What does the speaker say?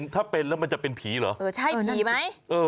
ถ้าเป็นแล้วมันจะเป็นผีเหรอเออใช่ผีไหม